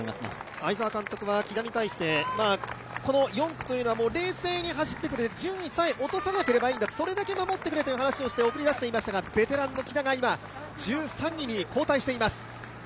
会沢監督は木田に対して、４区は冷静に走ってくれ順位さえ落とさなければそれだけ守ってくれという話をして送り出していましたがベテランの木田が１３位に後退しています。